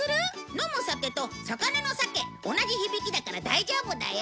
飲む酒と魚のサケ同じ響きだから大丈夫だよ